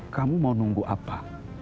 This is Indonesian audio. kamu mau nunggu apa